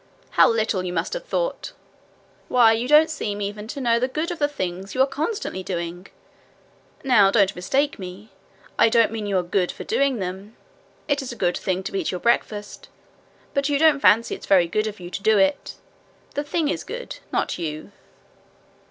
'How little you must have thought! Why, you don't seem even to know the good of the things you are constantly doing. Now don't mistake me. I don't mean you are good for doing them. It is a good thing to eat your breakfast, but you don't fancy it's very good of you to do it. The thing is good, not you.'